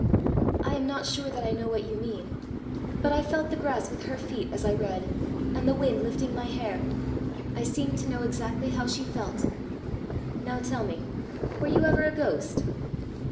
"I am not sure that I know what you mean; but I felt the grass with her feet as I read, and the wind lifting my hair. I seemed to know exactly how she felt!" "Now tell me, were you ever a ghost?"